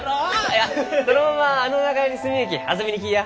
いやそのままあの長屋に住みゆうき遊びに来いや。